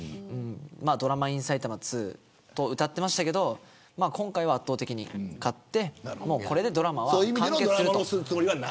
ドラマ・イン・サイタマ２とうたってましたけど今回は圧倒的に勝ってこれでドラマは完結すると。